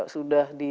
sudah di jawa